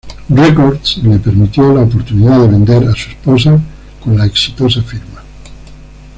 Records le permitió la oportunidad de "vender" a su esposa con la exitosa firma.